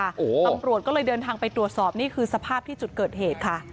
ตำรวจก็เลยเดินทางไปตรวจสอบนี่คือสภาพที่จุดเกิดเหตุค่ะ